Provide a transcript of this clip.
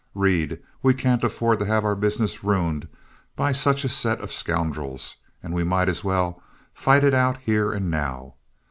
Reed, we can't afford to have our business ruined by such a set of scoundrels, and we might as well fight it out here and now.